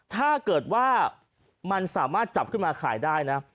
ถ้าเกิดว่ามันสามารถจับขึ้นมาขายได้นะ